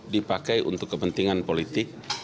dipakai untuk kepentingan politik